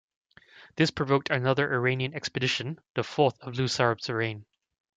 This provoked another Iranian expedition, the fourth in Luarsab's reign.